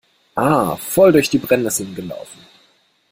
Ah, voll durch die Brennnesseln gelaufen!